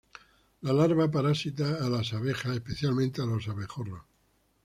La larva parasita a las abejas, especialmente a los abejorros.